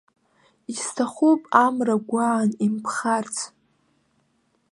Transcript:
Исҭахуп амра гәаан имԥхарц.